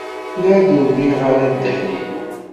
Yuba yella yebɣa ad tt-iṣeggem.